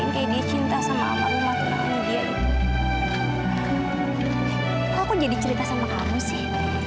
kok jadi cerita sama kamu sih